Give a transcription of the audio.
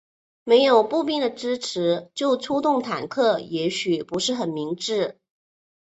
没有步兵的支持就出动坦克也许不是很明智。